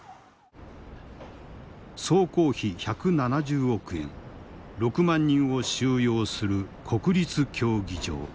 総工費１７０億円６万人を収容する国立競技場。